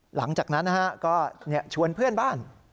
หลังจากนั้นก็ชวนเพื่อนบ้าน